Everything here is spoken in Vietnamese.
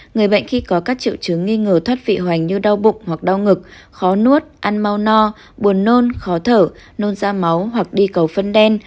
người bệnh khi có các triệu chứng nghi ngờ thoát vị hoành như đau bụng hoặc đau ngực khó nuốt ăn mau no buồn nôn khó thở nôn da máu hoặc đi cầu phân đen